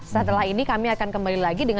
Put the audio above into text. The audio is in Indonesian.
setelah ini kami akan kembali lagi